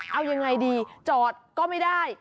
เอายังไงดีจอดก็ไม่ได้